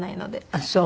あっそう！